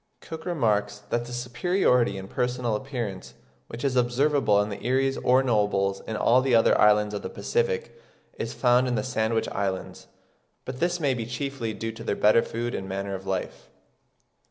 Cook remarks that the superiority in personal appearance "which is observable in the erees or nobles in all the other islands (of the Pacific) is found in the Sandwich Islands"; but this may be chiefly due to their better food and manner of life.